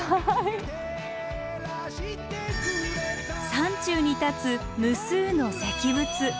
山中に立つ無数の石仏。